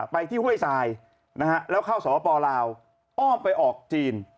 ไปที่ห้วยทรายแล้วเข้าสปลาวอ้อมไปออกจีน